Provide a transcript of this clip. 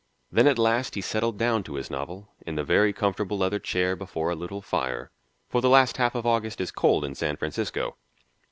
Then at last he settled down to his novel, in the very comfortable leather chair, before a little fire, for the last half of August is cold in San Francisco.